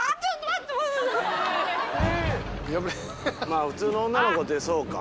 まぁ普通の女の子ってそうか。